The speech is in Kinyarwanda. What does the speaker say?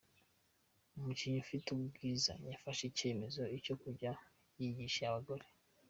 Umukinnyi ufite ubwiza yafashe icyemezo cyo kujya yihisha abagore